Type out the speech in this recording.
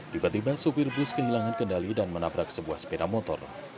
tiba tiba sopir bus kehilangan kendali dan menabrak sebuah sepeda motor